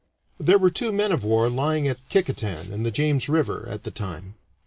There were two men of war lying at Kicquetan, in the James River, at the time.